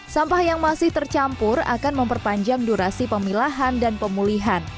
sampah yang masih tercampur akan memperpanjang durasi pemilahan dan pemulihan